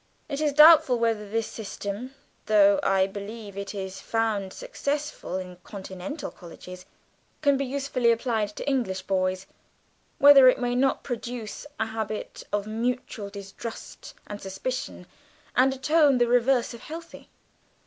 It is doubtful whether this system, though I believe it is found successful in Continental colleges, can be usefully applied to English boys; whether it may not produce a habit of mutual distrust and suspicion, and a tone the reverse of healthy.